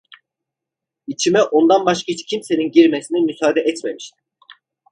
İçime ondan başka hiçbir kimsenin girmesine müsaade etmemiştim.